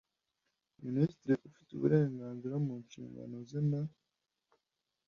Minisitiri ufite uburezi mu nshingano ze na